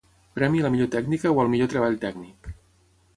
Premi a la millor tècnica o al millor treball tècnic.